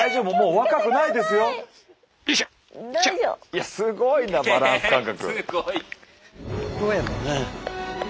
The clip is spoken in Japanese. いやすごいなバランス感覚！